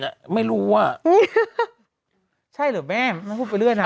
อะไม่รู้ใช่หรอแม่มาถูกไปเรื่อยนะ